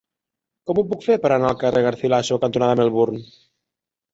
Com ho puc fer per anar al carrer Garcilaso cantonada Melbourne?